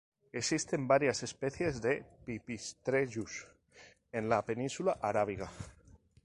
Existen varias especies de "Pipistrellus" en la península arábiga.